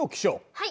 はい。